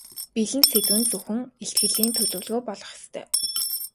Бэлэн сэдэв нь зөвхөн илтгэлийн төлөвлөгөө болох ёстой.